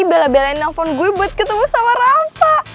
bela dua in telfon gue buat ketemu sama rafa